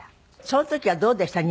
その時はどうでした？